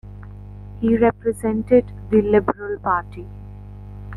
He represented the Liberal Party.